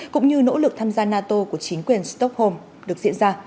cũng như nỗ lực tham gia nato của chính quyền stockholm được diễn ra